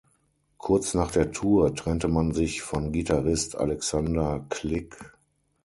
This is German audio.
Kurz nach der Tour trennte man sich von Gitarrist Alexander Klick.